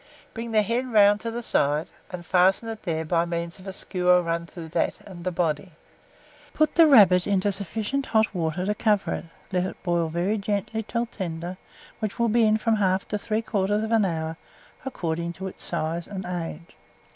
Bring the head round to the side, and fasten it there by means of a skewer run through that and the body. Put the rabbit into sufficient hot water to cover it, let it boil very gently until tender, which will be in from 1/2 to 3/4 hour, according to its size and age.